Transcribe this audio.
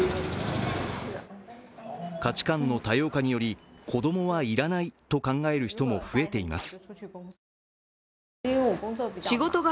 価値観の多様化により、子供はいらないと考える人も増えています。